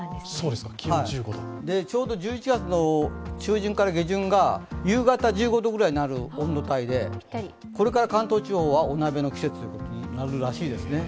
で、ちょうど１１月の中旬から下旬が夕方１５度ぐらいになる温度帯で、これから関東地方はお鍋の季節になるらしいですね。